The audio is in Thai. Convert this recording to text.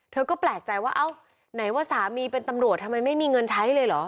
เธอก็แปลกใจว่าเอ้าไหนว่าสามีเป็นตำรวจทำไมไม่มีเงินใช้เลยเหรอ